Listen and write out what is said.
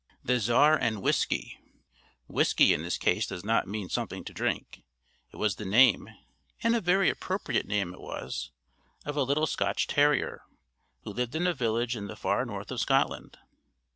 THE CZAR AND WHISKEY. Whiskey in this case does not mean something to drink. It was the name and a very appropriate name it was of a little Scotch terrier, who lived in a village in the far north of Scotland.